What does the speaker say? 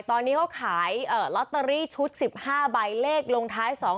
ตอนนี้เขาขายลอตเตอรี่ชุด๑๕ใบเลขลงท้าย๒๕๖